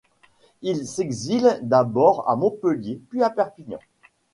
Il s'exile d'abord à Montpellier puis à Perpignan.